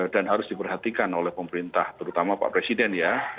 dan harus diperhatikan oleh pemerintah terutama pak presiden ya